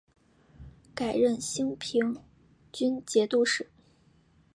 改任兴平军节度使。